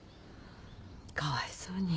かわいそうに。